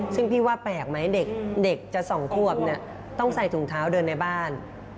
ซึ่งพี่ว่าแปลกไหมเด็กจะ๒ควบต้องใส่ถุงเท้าเดินในบ้าน